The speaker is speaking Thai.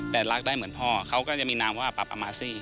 แต่รักได้เหมือนพ่อเขาก็จะมีนามว่าปรับอมาซี่